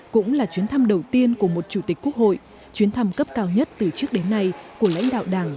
cũng là chuyến thăm đầu tiên của một chủ tịch quốc hội chuyến thăm cấp cao nhất từ trước đến nay của lãnh đạo đảng